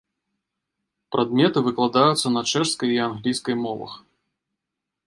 Прадметы выкладаюцца на чэшскай і англійскай мовах.